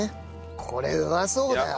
これうまそうだよ。